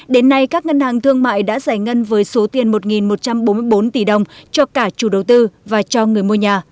đến nay các ngân hàng thương mại đã giải ngân với số tiền một một trăm bốn mươi bốn tỷ đồng cho cả chủ đầu tư và cho người mua nhà